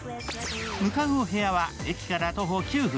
向かうお部屋は駅から徒歩９分。